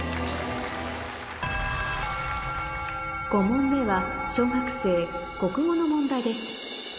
５問目は小学生国語の問題です